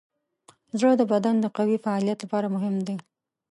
زړه د بدن د قوي فعالیت لپاره مهم دی.